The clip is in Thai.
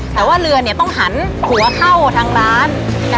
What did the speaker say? แต่ว่าเรือต้องหันหัวเข้าทางร้าน